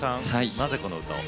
なぜこの歌を？